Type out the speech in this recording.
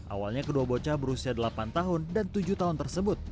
awalnya kedua bocah berusia delapan tahun dan tujuh tahun tersebut